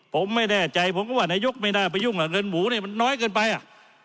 ผมไม่แน่ใจผมก็ว่านายกไม่น่าไปยุ่งอ่ะเงินหมูเนี่ยมันน้อยเกินไปอ่ะ